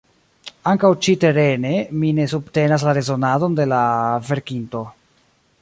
Ankaŭ ĉi-terene mi ne subtenas la rezonadon de la verkinto.